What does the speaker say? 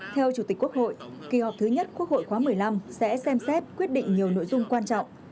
theo chủ tịch quốc hội kỳ họp thứ nhất quốc hội khóa một mươi năm sẽ xem xét quyết định nhiều nội dung quan trọng